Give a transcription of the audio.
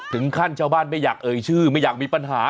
ถึงขั้นชาวบ้านไม่อยากเอ่ยชื่อไม่อยากมีปัญหา